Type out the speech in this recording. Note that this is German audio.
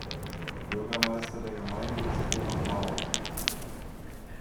Bürgermeister der Gemeinde ist Johann Bauer.